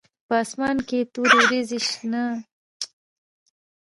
په اسمان کې تورې وریځې شته او باران کیږي